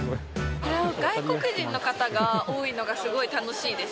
外国人の方が多いのがすごい楽しいです。